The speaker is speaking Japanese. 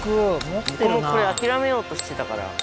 僕もこれ諦めようとしてたから。